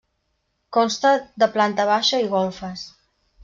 Consta de planta baixa i golfes.